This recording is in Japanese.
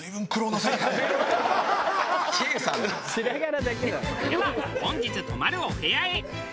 「ハハハハ！」では本日泊まるお部屋へ。